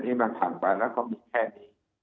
ตอนนี้อาจมีนักธรรมและมีแค่นี้